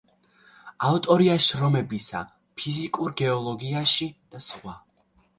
ავტორია შრომებისა ფიზიკურ გეოლოგიაში და სხვა.